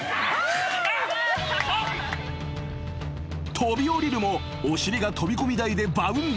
［飛び降りるもお尻が飛び込み台でバウンド］